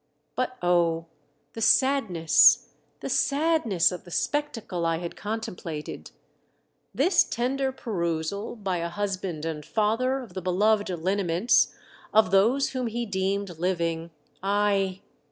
But oh ! the sadne.^s, the sadness of the spectacle I had contemplated ! This tender perusal by a husband and father of the be a 178 THE DEATH SHIP. loved lineaments of those whom he deemed living, ay!